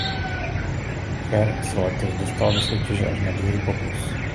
Cher se dostala do soutěže až na druhý pokus.